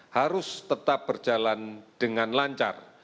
harus tetap berjalan dengan lancar